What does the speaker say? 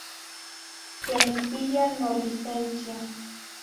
Ya nicpiya nolisensia.